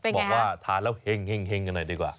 บอกว่าทานแล้วเห็งกันหน่อยดีกว่า